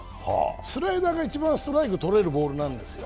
スライダーが一番ストライク取れるボールなんですよ。